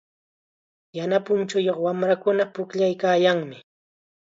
Yana punchuyuq wamrakunaqa pukllaykaayanmi.